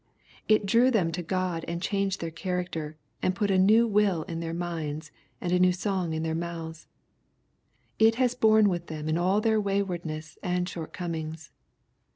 It drew them to God and changed their character, and put a new will in their minds, and a new song in their mouths. It has borne with them in all their waywardness and shortcomings.